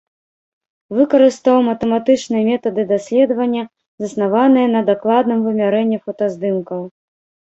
Выкарыстаў матэматычныя метады даследавання, заснаваныя на дакладным вымярэнні фотаздымкаў.